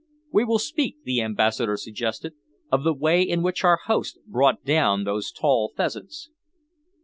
"We will speak," the Ambassador suggested, "of the way in which our host brought down those tall pheasants."